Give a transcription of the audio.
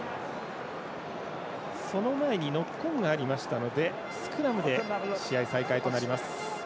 その前にノックオンがありましたのでスクラムで試合再開となります。